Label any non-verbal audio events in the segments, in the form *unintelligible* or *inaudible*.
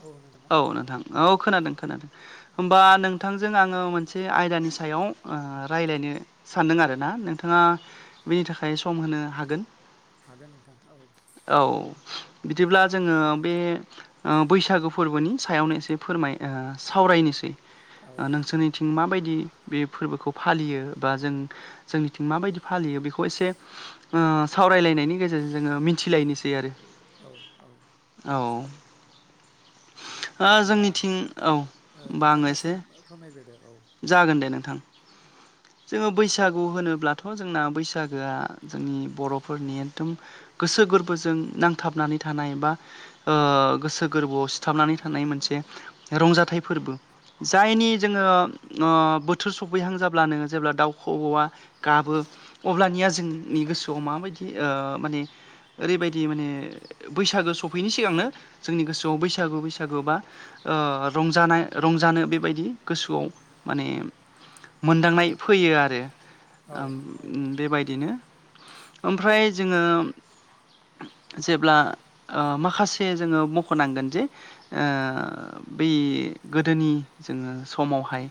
औ नों औ नोंथां औ खोनादों खोनादों। औ होमबा औ नोंथांजों आङो मोनसे आयदानि सायाव ओ रायज्लायनो सानदों आरो ना नोंथाङा बेनि थाखाय सम होनो हागोन। हागोन नोंथां औ औ बिदिब्ला जोङो बे ओ बैसागो फोरबोनि सायावनो एसे फोरमाय ओ सावरायनोसै औ नोंसोरनिथिं मा बायदि बे फोरबोखौ फालियो बा जों जोंनिथिं मा बायदि फालियो बेखौ एसे ओ सावरायलायनायनि गेजेरजों जोङो मिथिलायनोसै आरो औ औ औ सागो ओ अब्ला जोंनिथिं औ होमबा आङो नोंथाङा एसे फोरमायग्रोदो औ *inaudible* जागोन दे नोंथां जोङो बैसागु होनोब्लाथ' जोंना बैसागोआ जोंनि बर'फोरनि एकदम गोसो गोरबोजों नांथाबनानै थानाय बा ओ गोसो गोरबोआव सिथाबनानै थानाय मोनसे रंजाथाइ फोरबो जायनि जोङो ओ बोथोर सफैहां जाब्लानो जेब्ला दाउ खौऔआ गाबो अब्लानिया जोंनि गोसोआव माबायदि माने ओरैबायदि माने बैसागो सौफैयिनि सिगांनो जोंनि गोसोआव बैसागो बैसागो बा ओ रंजानाय रंजानो बेबायदि गोसोआव माने मोनदां फैयो आरो औ औ बेबायदिनो ओमफ्राय जोङो जेब्ला ओ माखासे जोङो मख'नांगोन जे ओ बै गोदोनि जोङो समावहाय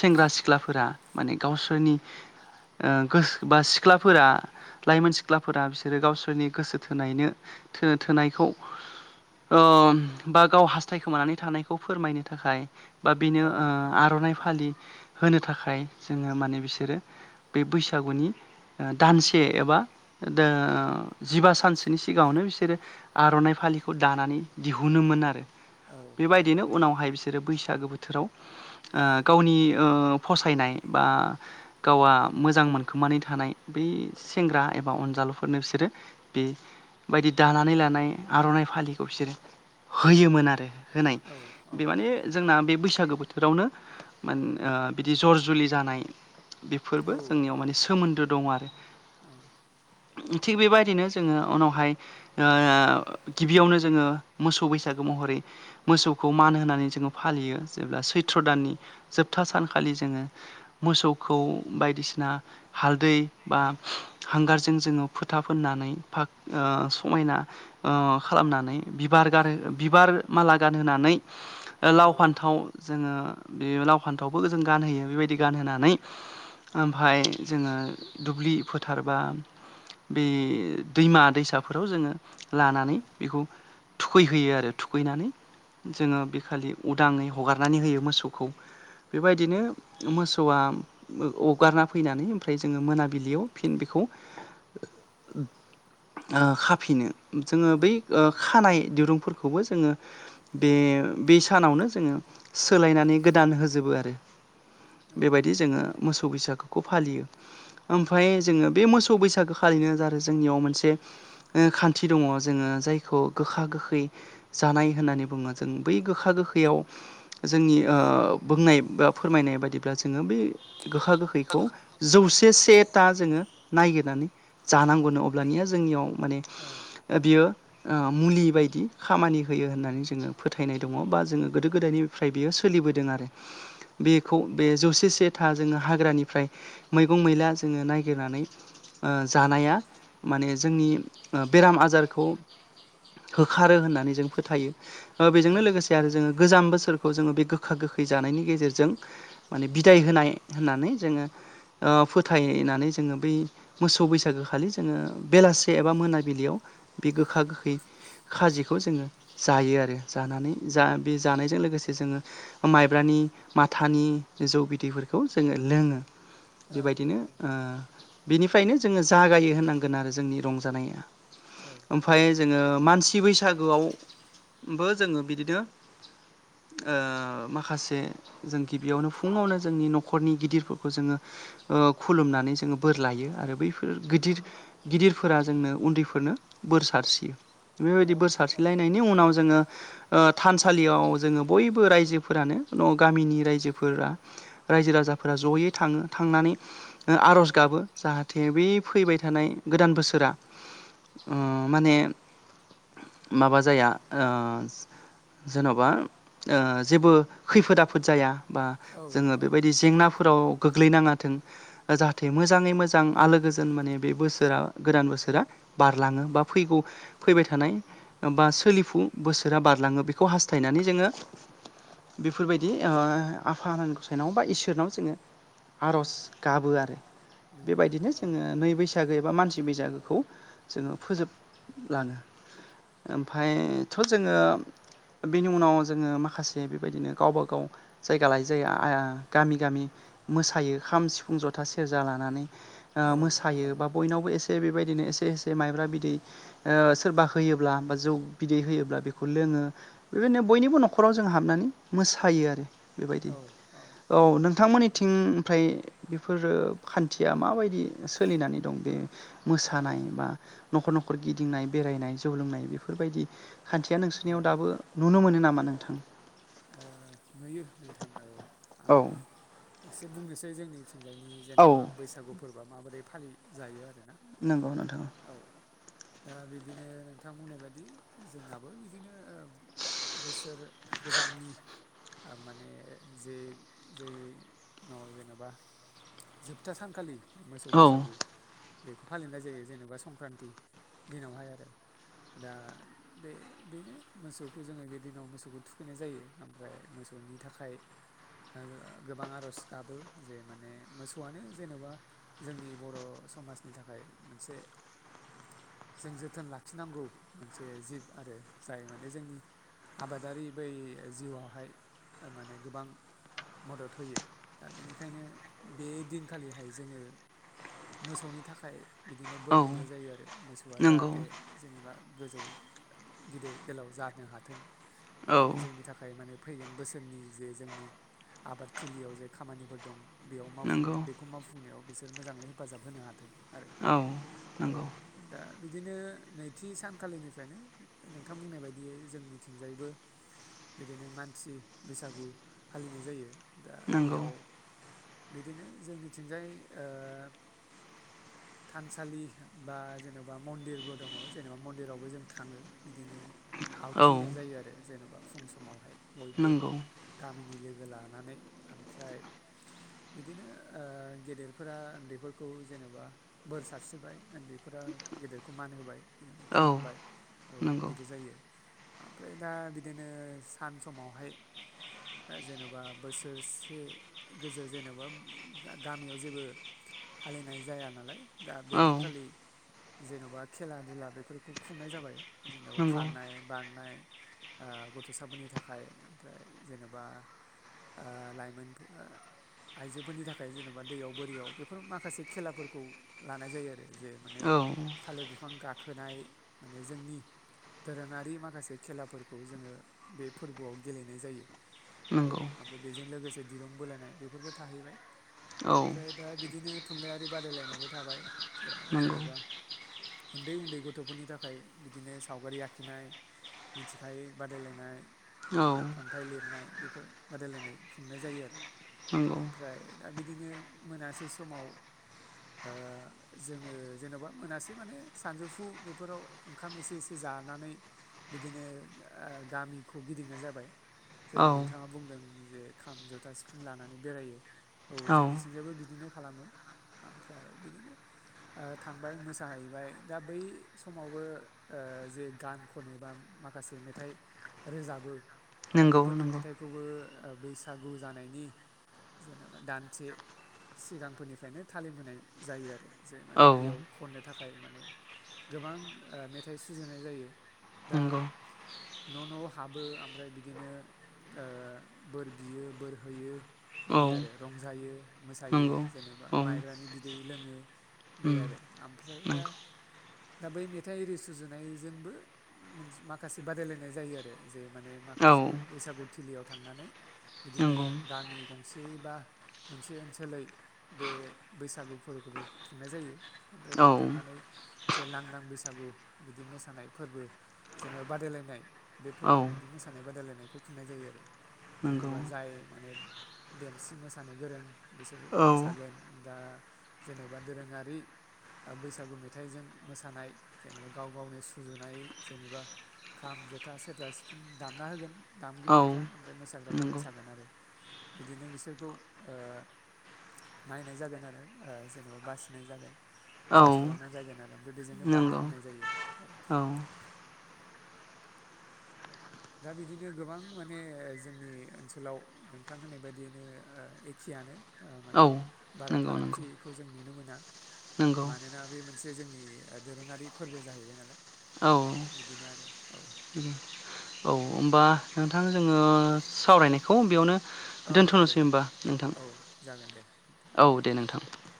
सेंग्रा सिख्लाफोरा माने गावसोरनि ओ गोसो बा सिख्लाफोरा लाइमोन सिख्लाफोरा बिसोरो गावसोरनि गोसो थोनायनो थोनो थोनायखौ अ बा गाव हास्थायखोमानानै थानायखौ फोरमायनो थाखाय बा बेनो औ ओ औ आर'नाइ फालि होनो थाखाय जोङो माने बिसोरो बे बैसागुनि दानसे एबा दा जिबा सानसोनि सिगाङावनो बिसोरो आर'नाइ फालिखौ दानानै दिहुनोमोन आरो औ बेबायदिनो उनावहाय बिसोरो बैसागो बोथोराव आ गावनि फसायनाय बा गावआ मोजां मोनखोमानानै थानाय बै सेंग्रा एबा अनजालुफोरनो बिसोरो बेबायदि दानानै लानाय आर'नाइ फालिखौ बिसोरो होयोमोन आरो होनाय बे माने जोंना बे बैसागो बोथोरावनो मान ओ बिदि जर जुलि जानाय बेफोरबो जोंनियाव माने सोमोन्दो दं आरो औ थिग बेबायदिनो जोङो उनावहाय ओ गिबियावनो जोङो मोसौ बैसागो महरै मोसौखौ मान होनानै जों फालियो जेब्ला सैथ्र दाननि जोबथा सानखालि जोङो मोसौखौ बायदिसिना हालदै बा हांगारजों जों फोथा फोननानै फाग ओ समायना ओ खालामनानै बिबार गारहो बिबार माला गानहोनानै औ लाव फान्थाव जोङो बे लाव फान्थावखौ जों गानहोयो बेबायदि गानहोनानै ओमफ्राय जोङो दुब्लि फोथारबा बे दैमा दैसाफोराव जोङो लानानै बेखौ थुखैहोयो आरो थुखैनानै जोङो बेखालि उदाङै हगारनानै होयो मोसौखौ बेबायदिनो मोसौआ हगारना फैनानै ओमफ्राय जोङो मोनाबिलियाव फिन बेखौ *unintelligible* औ खाफिनो जोङो औ बै खानाय दिरुंफोरखौबो जोङो बे बे सानावनो जोङो सोलायनानै गोदान होजोबो आरो बेबायदि जोङो मोसौ बैसागोखौ फालियो ओमफ्राय जोङो बे मोसौ बैसागो खालिनो आरो जोंनियाव मोनसे खान्थि दङ जोङो जायखौ गोखा गोखै जानाय होननानै बुङो जों बै गोखा गोखैयाव जोंनि ओ बुंनाय ओ फोरमायनाय बायदिब्ला जोङो बे गोखा गोखैखौ जौसे सेथा जोङो नागिरनानै जानांगौनो अब्लानिया जोंनियाव माने औ औ बियो मुलि बायदि खामानि होयो होननानै जोङो फोथायनाय दङ बा जोङो गोदो गोदायनि ओमफ्राय बेयो सोलिबोदों आरो बेखौ बे जौसे से था जोङो हाग्रानिफ्राय मैगं मैला जोङो नागिरनानै जानाया माने जोंनि बेराम आजारखौ होखारो होननानै जों फोथायो बेजोंनो लोगोसे आरो जोङो गोजाम बोसोरखौ जोङो बे गोखा गोखै जानायनि गेजेरजों जों माने बिदाय होनाय होननानै जोङो फोथायनानै जोङो बै मोसौ बैसागोखालि जोङो बेलासे एबा मोनाबिलियाव बे गोखा गोखै खाजिखौ जोङो जायो आरो जानानै जा बे जानायजों लोगोसे जोङो माइब्रानि माथानि जौ बिदैफोरखौ जोङो लोङो बेबायदिनो बिनिफ्रायनो जोङो जागायो होनांगोन आरो जोंनि रंजानाया ओमफ्राय जोङो मानसि बैसागोआवबो जोङो बिदिनो माखासे जों गिबियावनो फुङावनो जोंनि न'खरनि गिदिरफोरखौ जोङो खुलुमनानै जोङो बोर लायो आरो बैफोर गिदिर गिदिरफोरा जोंनो उन्दैफोरनो बोर सारसियो बेबायदि बो सारस्रिलायनायनि उनाव जोङो थानसालियाव जोङो बयबो रायजोफोरानो न' गामिनि रायजोफोरा रायजो राजाफोरा जयै थाङो थांनानै आर'ज गाबो जाहाथे बे फैबाय थानाय गोदान बोसोरा माने माबा जाया जेन'बा जेबो खैफोद आफ खाफोद जाया बा औ जोङो औ बेबायदि जेंनाफोराव गोग्लैनाङाथों जाहाथे मोजाङै मोजां आलो गोजोन माने बे बोसोरा गोदान बोसोरा बारलाङो बा फैगौ फैबाय थानाय बा सोलिफु बोसोरा बारलाङो बेखौ हास्थायनानै जोङो बेफोरबायदि बिदि आफा गसायनाव बा इसोरनाव जोङो आर'ज गाबो आरो नंगौ बेबायदिनो औ जोङो नै बैसो बैसागो एबा मानसि बैसागोखौ जोङो फोजोबलाङो ओमफायथ' जोङो बेनि उनाव जोङो माखासे बेबायदिनो गावबा गाव खौ जायगा लायै जायो गामि गामि मोसायो खाम सिफुं जथा सेरजा लानानै औ मोसायो बा बयनावबो एसे बेबायदिनो एसे एसे माइब्रा बिदै ओ सोरबा होयोब्ला बा जौ बिदै होयोब्ला बेखौ लोङो बेबायदिनो बयनिबो न'खराव जों हाबनानै मोसायो आरो बेबायदि औ औ नोंथांमोननिथिं ओमफ्राय बेफोरो खान्थिया माबायदि सोलिनानै दं बे औ मोसानाय बा न'खर न'खर गिदिंनाय बेरायनाय जौ लोंनाय बेफोरबायदि खान्थिया ओ नोंसोरनियाव दाबो नुनो मोनो नामा नोंथां नुयो नोंथां औ आं औ एसे बुंनोसै जोंनिथिंजायनि जेन'बा औ बैसागु फोरबोआ माबोरै फालि जायो आरोना नंगौ नोंथां औ औ दा बिब्दिनो नोंथां बुंनाय बायदि जोंनाबो बिदिनो बोसोर गोजामनि थ माने जे जे न' जेन'बा जोबथा सानखालि मोसौ औ बैसागु बेखौ फालिनाय जायो जेनेबा संक्रान्ति दिनावहाय आरो दा बे बेनो मोसौखौ जोङो बे दिनाव मोसौखौ थुखैनाय जायो ओमफ्राय मोसौ नि थाखाय ओ गोबां आर'ज गाबो जे माने मोसौआनो जेन'बा जोंनि बर' समाजनि थाखाय मोनसे जों जोथोन लाखिनांगौ मोनसे जिब आरो जाय माने जोंनि आबादारि बै जिउआवहाय माने गोबां मदद होयो दा बेनिखायनो बे दिनखालिहाय जोङो मोसौनि थाखाय बिदिनो बोर औ बिनाय जायो आरो मोसौआ नंगौ जाहाथे जेनेबा गोजौ गिदिर गोलाव जानो हाथों औ बिदिनो जोंनि थाखाय खाय माने फैगोन बोसोरनि जे जोंनि आबादथिलियाव जे खामानिफोर दं बेयाव मावाफुंनो नंगौ बेखौ मावफुंनायाव बिसोर मोजाङै हेफाजाब होनो हादों आरो औ औ नंगौ दा बिदिनो नैथि सानखालिनिफ्रायनो नोंथां बुंनाय बायदियै जोंनिथिंजायबो बिदिनो मानसि बैसागु फालिनाय जायो दा नंगौ बेयाव बिदिनो जोंनिथिंजाय ओ *inaudible* थानसालि बा जेन'बा मन्दिरबो दङ जेनेबा मन्दिरावबो जों थाङो बिदिनो आवथि औ होनाय जायो आरो जेनेबा फुं समावहाय बयबो नंगौ गामिनि लोगो लानानै ओमफ्राय बिदिनो गेदेरफोरा उन्दैफोरखौ जेनेबा बोर सारस्रिबाय उन्दैफोरा गेदेरखौ मान होबाय बिदिनो औ खुलुमबाय औ नंगौ बिदि जायो ओमफ्राय दा बिदिनो सान समावहाय जेन'बा बोसोरसे गोजो जेनेबा गामियाव जेबो फालिनाय जाया नालाय दा बे औ दिनखालि जेन'बा खेला दुला बेफोरखौ खुंनाय जाबाय जेनेबा नंगौ खारानाय बारनाय आ गथ'साफोरनि थाखाय ओमफ्राय जेन'बा ओ लाइमोनफोर आइजोफोरनि थाखाय जेन'बा दैयाव बोरियाव बेफोर माखासे खेलाफोरखौ लानाय जायो आरो जे माने औ थालिर बिफां गाखोनाय माने जोंनि दोरोङारि माखासे खेलाफोरखौ जोङो बे फोरबोआव गेलेनाय जायो औ नंगौ ओमफ्राय बेजों लोगोसे दिरुं बोलायनाय बेफोरबो थाहैबाय औ ओमफ्राय दा बिदिनो थुनलाइयारि बादायलायनायबो थाबाय जेराव नंगौ जेनेबा उन्दै उन्दै गथ'फोरनि थाखाय बिदिनो सावगारि आखिनाय मिथिखायो बादायलायनाय औ बिदिनो कन थाइ लिरनाय बेफोर बादायलायनाय खुंनाय जायो आरो नंगौ ओमफ्राय दा बिदिनो मोनासे समाव ओ जोङो जेन'बा मोनासे माने सानजौफु बेफोराव ओंखाम एसे एसे जानानै बिदिनो ओ गामिखौ गिदिंनाय जाबाय जेरै औ नोंथाङा बुंदों जे खाम जथा सिफुं लानानै बेरायो औ जोंनिथिंजायबो बिदिनो खालामो ओमफ्राय बिदिनो ओ थांबाय मोसाहैबाय दा बै समावबो ओ जे गान खनो बा माखासे मेथाइ रोजाबो दा नंगौ बेफोरनि नंगौ मेथाइखौबो बैसागु जानायनि जेनेबा दानसे सिगांफोरनिफ्रायनो थालिम होनाय जायो आरो जे माने औ बेयाव खननो थाखाय माने गोबां मेथाइ सुजुनाय जायो दा नंगौ न' न' हाबो ओमफ्राय बिदि बिदिनो ओ बोर बियो बोर होयो औ बिदि आरो रंजायो मोसायो नंगौ जेन'बा औ माइब्रानि बिदै लोङो बे उम आरो ओमफ्राय दा नंगौ दा बै मेथाइ आरि सुजुनायजोंबो माखासे बादायलायनाय जायो आरो जाय माने औ माखासे बैसागु थिलियाव थांनानै बिदिनो नंगौ गामि गंसे बा मोनसे ओनसोलै बे बैसागु फोरबोखौबो खुंनाय जायो ओमफ्राय औ बेयाव थांनानै जे लांदां बैसागु बिदि मोसानाय फोरबो जेनेबा बादायलायनाय बे औ फोरबोआव बिदि मोसा मोसानाय बादायलायनायखौ खुंनाय जायो आरो नंगौ जेनेबा जाय माने देमसि मोसानो गोरों बिसोर औ मोसागोन दा जेनेबा दोरोङारि बैसागु मेथाइजों मोसानाय जेनेबा गाव गावनि सुजुनाय जेनेबा खाम जथा सेरजा सिफुं दामना होगोन औ दामगिरिफ्रा ओमफ्राय मोसाग्राफ्रा नंगौ मोसागोन आरो बिदिनो बिसोरखौ ओ नायनाय जागोन आरो ओ जेनेबा बासिनाय जागोन औ जाज खालामनाय जागोन आरो ओमफ्राय बेजोंनो बान्था नंगौ होनाय जायो औ औ दा बिदिनो गोबां माने जोंनि ओनसोलाव नोंथां होननाय बायदियैनो एखेयानो ओ औ माने बारा नंगौ नंगौ फारागथिखौ जों नुनो मोना नंगौ मानोना बे मोनसे जोंनि दोरोङारि फोरबो जाहैबाय नालाय औ दा बिदिनो आरो औ होनोमबा नोंथां जोङो सावरायनायखौ बेयावनो औ औ दोनथ'नोसै होमबा नोंथां औ जागोन दे नोंथां औ दे नोंथां दे